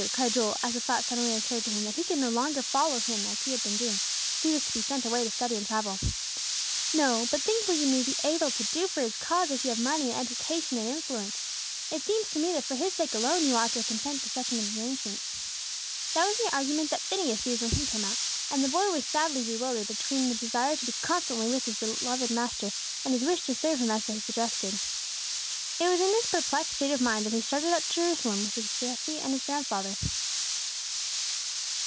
cried Joel, as the thought suddenly occurred to him that he could no longer follow Him as he had been doing, if he was to be sent away to study and travel. "No; but think what you may be able to do for His cause, if you have money and education and influence. It seems to me that for His sake alone, you ought to consent to such an arrangement." That was the argument that Phineas used when he came out; and the boy was sadly bewildered between the desire to be constantly with his beloved Master, and his wish to serve Him as they suggested. It was in this perplexed state of mind that he started up to Jerusalem with Jesse and his grandfather.